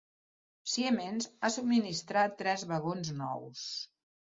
Siemens ha subministrat tres vagons nous.